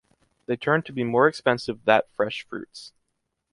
They turn to be more expensive that fresh fruits.